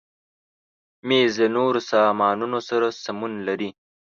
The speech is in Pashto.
مېز له نورو سامانونو سره سمون لري.